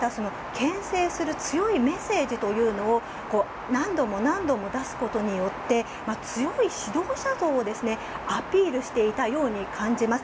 けん制する強いメッセージというのを何度も何度も出すことによって強い指導者像をアピールしていたように感じます。